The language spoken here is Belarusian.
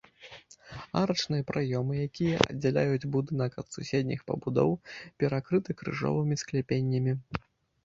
Арачныя праёмы, якія аддзяляюць будынак ад суседніх пабудоў, перакрыты крыжовымі скляпеннямі.